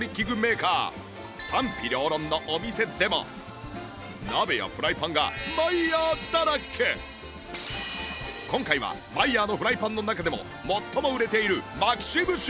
賛否両論のお店でも鍋やフライパンが今回はマイヤーのフライパンの中でも最も売れているマキシムシリーズ